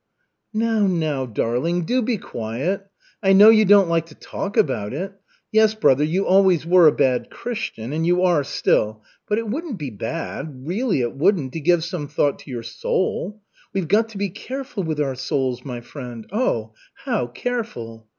"Now, now, darling, do be quiet. I know you don't like to talk about it. Yes, brother, you always were a bad Christian and you are still. But it wouldn't be bad, really it wouldn't, to give some thought to your soul. We've got to be careful with our souls, my friend, oh, how careful!